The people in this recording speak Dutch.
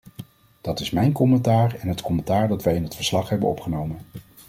Dat is mijn commentaar en het commentaar dat wij in het verslag hebben opgenomen.